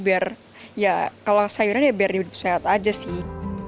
biar ya kalau sayuran ya biar hidup sehat aja sih